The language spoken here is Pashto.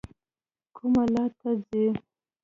کومه لار ته ځئ؟